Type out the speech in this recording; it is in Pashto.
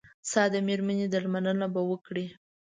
ستا د مېرمنې درملنه به وکړي.